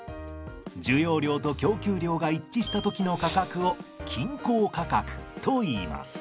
需要量と供給量が一致した時の価格を均衡価格といいます。